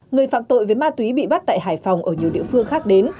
người phạm tội về ma túy bị bắt tại hải phòng ở nhiều địa phương khác đến